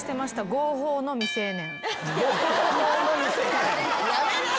「合法の未成年」